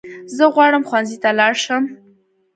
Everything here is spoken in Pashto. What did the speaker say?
زه غواړم ښوونځی ته لاړ شم